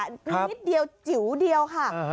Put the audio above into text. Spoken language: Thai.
นิดเดียวจิ๋วเดียวค่ะ